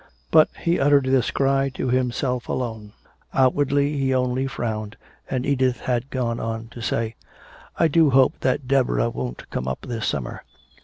But he uttered this cry to himself alone. Outwardly he only frowned. And Edith had gone on to say, "I do hope that Deborah won't come up this summer.